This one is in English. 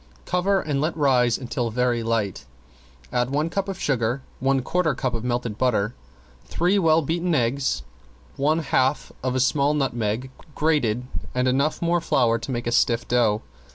Cover and let rise until very light; add one cup of sugar, one quarter cup of melted butter, three well beaten eggs, one half of a small nutmeg grated and enough more flour to make a stiff dough.